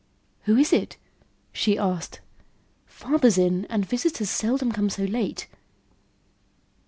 "Who is it?" she asked. "Father's in and visitors seldom come so late."